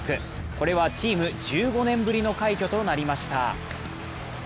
これはチーム１５年ぶりの快挙となりました。